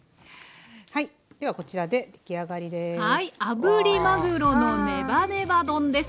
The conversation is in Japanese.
はいではこちらで出来上がりです！